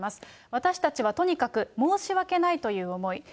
私たちはとにかく申し訳ないという思い。